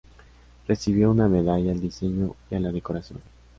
Recibió una medalla al diseño y a la decoración.